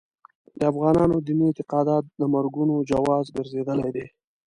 د افغانانو دیني اعتقادات د مرګونو جواز ګرځېدلي دي.